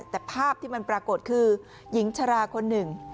แต่ภาพที่มันปรากฏคือหญิงชราคนหนึ่ง